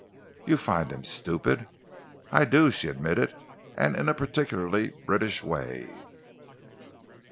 "You find him stupid?" "I do," she admitted, "and in a particularly British way."